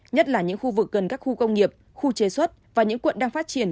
nhất là những khu vực gần các khu công nghiệp khu chế xuất và những quận đang phát triển